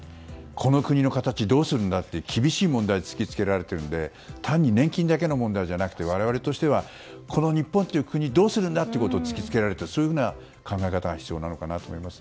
この国の形、どうするんだと厳しい問題を突きつけられているので単に年金の問題だけじゃなくて我々としてはこの日本という国をどうするんだということを突きつけられたそういう考え方が必要なのかなと思います。